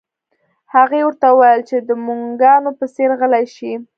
هغې ورته وویل چې د موږکانو په څیر غلي شي